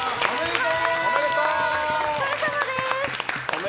お疲れさまです！